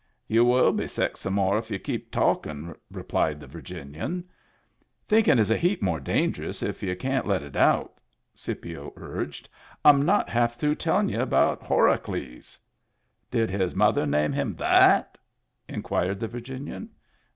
" You will be sick some more if you keep talk ing," replied the Virginian. "Thinkin' is a heap more dangerous, if y'u can't let it out," Scipio urged. "I'm not half through tellin' y'u about Horacles." " Did his mother name him that ?" inquired the Virginian.